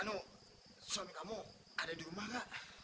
ano suami kamu ada di rumah gak